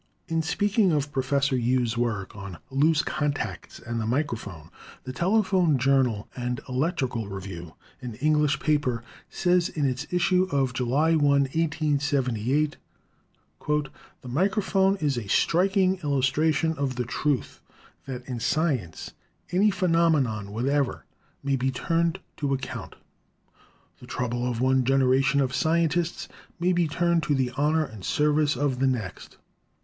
In speaking of Professor Hughes' work on loose con tacts and the microphone, the Telegraph Journal and Electrical Review, an English electrical paper, says in its issue of July 1, 1878: "The microphone is a striking illustration of the truth that in science any phenomenon whatever may be turned to account. The trouble of one generation of scientists may be turned to the honor and service of the next.